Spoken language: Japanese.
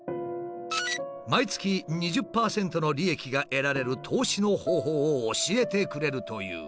毎月２０％の利益が得られる投資の方法を教えてくれるという。